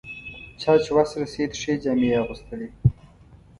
چا چې وس رسېد ښې جامې یې اغوستلې.